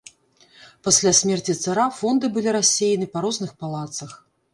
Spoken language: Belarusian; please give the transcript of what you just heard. Пасля смерці цара фонды былі рассеяны па розных палацах.